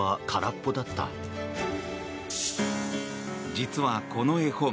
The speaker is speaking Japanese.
実はこの絵本